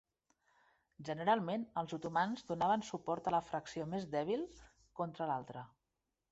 Generalment els otomans donaven suport a la facció més dèbil contra l'altra.